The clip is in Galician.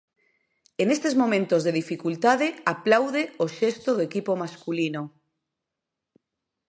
E nestes momentos de dificultade aplaude o xesto do equipo masculino.